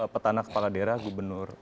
petana kepala daerah gubernur